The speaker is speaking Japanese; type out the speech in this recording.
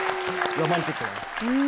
ロマンチックな。